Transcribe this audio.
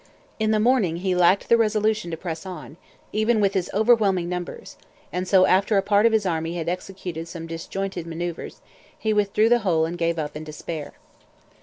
In the morning he lacked the resolution to press on, even with his overwhelming numbers; and so, after a part of his army had executed some disjointed manoeuvres, he withdrew the whole and gave up in despair.